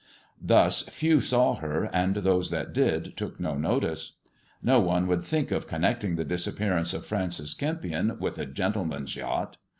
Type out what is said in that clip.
Thus few saw her, and those that did took no notice. liTo one would think of connecting the disappearance of Francis Kempion with a gentleman's yacht.